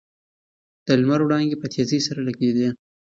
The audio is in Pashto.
د لمر وړانګې په تېزۍ سره لګېدې.